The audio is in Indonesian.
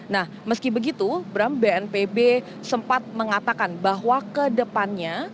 nah meski begitu bram bnpb sempat mengatakan bahwa ke depannya